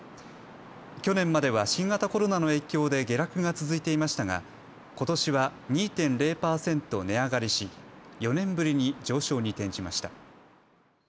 去年までは新型コロナの影響で下落が続いていましたがことしは２．０％値上がりし４年ぶりに上昇に転じました。